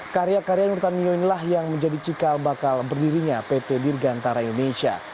karya karya nurtanio inilah yang menjadi cikal bakal berdirinya pt dirgantara indonesia